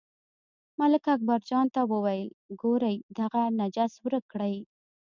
ملک اکبرجان ته وویل، ګورئ دغه نجس ورک کړئ.